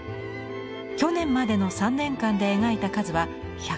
去年までの３年間で描いた数は１０７点。